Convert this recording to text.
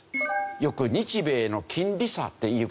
よく日米の金利差って言い方をしてます。